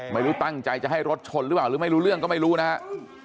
ไม่รู้ตั้งใจจะให้รถชนหรือเปล่าหรือไม่รู้เรื่องก็ไม่รู้นะครับ